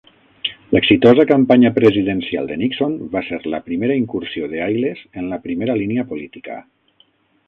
L'exitosa campanya presidencial de Nixon va ser la primera incursió de Ailes en la primera línia política.